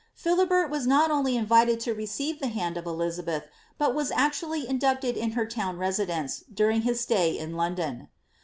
Philiben was not only invited to receive the hand of Elizabeth, but VM actually inducted in her town residence, during his stay in London.